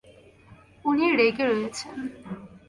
উনি রেগে রয়েছেন।